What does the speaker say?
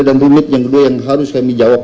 rumit yang kedua yang harus kami jawab